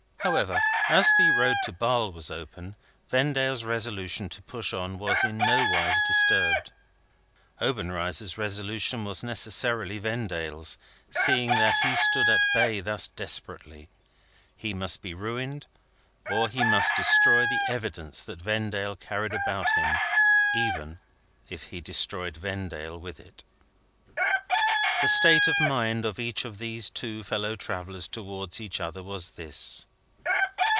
However, as the road to Basle was open, Vendale's resolution to push on was in no wise disturbed. Obenreizer's resolution was necessarily Vendale's, seeing that he stood at bay thus desperately: He must be ruined, or must destroy the evidence that Vendale carried about him, even if he destroyed Vendale with it. The state of mind of each of these two fellow travellers towards the other was this.